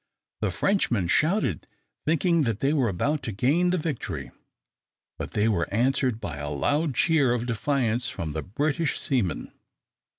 The Frenchmen shouted, thinking that they were about to gain the victory, but they were answered by a loud cheer of defiance from the British seamen.